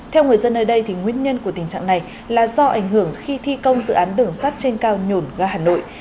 theo người dân nơi đây nguyên nhân của tình trạng này là do ảnh hưởng khi thi công dự án đường sắt trên cao nhổn ga hà nội